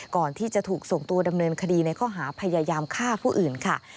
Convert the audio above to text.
ก่อนที่จะถูกส่งตัวดำเนินคดีในข้อหาพยายามฆ่าผู้อื่นค่ะ